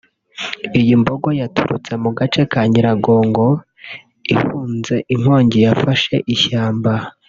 Iyi mbogo yaturutse mu gace ka Nyiragongo ihunze inkongi yafashe ishyamba